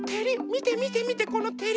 みてみてみてこのてり。